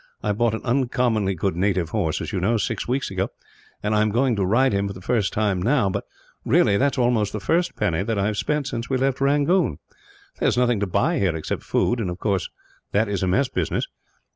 I bought an uncommonly good native horse, as you know, six weeks ago; and I am going to ride him for the first time now but, really, that is almost the first penny that I have spent since we left Rangoon. There is nothing to buy here except food and, of course, that is a mess business.